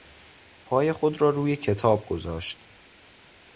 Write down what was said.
پای خود را روی کتاب گذاشت.